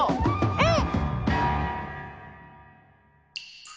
うん！